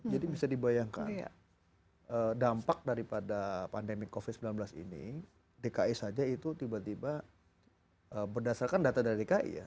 jadi bisa dibayangkan dampak daripada pandemi covid sembilan belas ini dki saja itu tiba tiba berdasarkan data dari dki ya